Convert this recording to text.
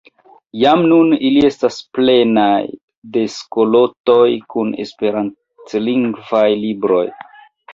Jam nun ili estas plenaj de skatoloj kun esperantlingvaj libroj.